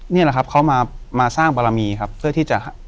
นี่แหละครับเขามาสร้างบารมีครับเพื่อที่จะ